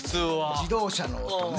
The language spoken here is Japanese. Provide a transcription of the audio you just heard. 自動車の音ね。